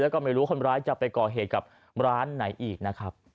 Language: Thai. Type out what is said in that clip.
แล้วก็ไม่รู้คนร้ายจะไปก่อเหตุกับร้านไหนอีกนะครับ